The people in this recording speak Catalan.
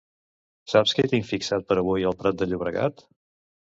Saps què hi tinc fixat per avui al Prat de Llobregat?